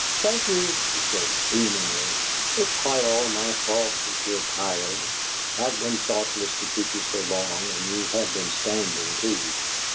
"Thank you," she said, beamingly. "It's quite all my fault that you're tired. I've been thoughtless to keep you so long, and you have been standing, too!"